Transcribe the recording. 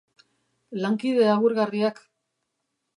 Lankide agurgarriak